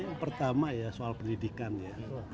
yang pertama ya soal pendidikan ya